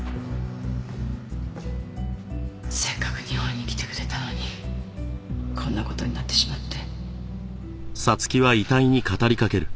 せっかく日本に来てくれたのにこんな事になってしまって。